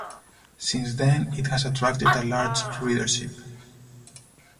Since then, it has attracted a large readership.